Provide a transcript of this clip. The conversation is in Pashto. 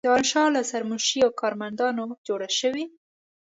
دارالانشأ له سرمنشي او کارمندانو جوړه شوې.